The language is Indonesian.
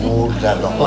udah dong pak